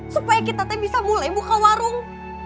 supaya kita teh bisa boleh buka warung